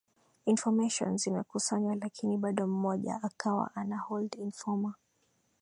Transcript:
information zimekusanywa lakini bado mmoja akawa ana hold informa